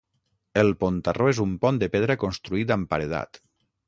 El pontarró és un pont de pedra construït amb paredat.